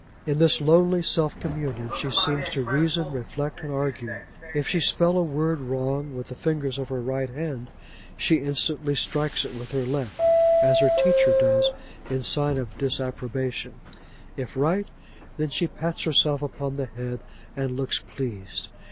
In this lonely self communion she seems to reason, reflect, and argue; if she spell a word wrong with the fingers of her right hand, she instantly strikes it with her left, as her teacher does, in sign of disapprobation; if right, then she pats herself upon the head, and looks pleased.